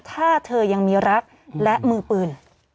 ถ้าเธอยังมีรักและมือปืน